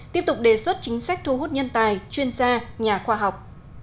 tiếp tục đề xuất chính sách thu hút nhân tài chuyên gia nhà khoa học